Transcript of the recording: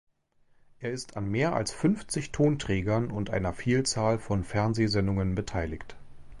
Er ist an mehr als fünfzig Tonträgern und einer Vielzahl von Fernsehsendungen beteiligt.